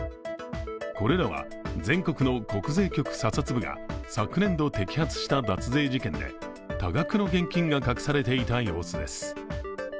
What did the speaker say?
これらは全国の国税局査察部が昨年度摘発した脱税事件で多額の現金が隠されていた様子です。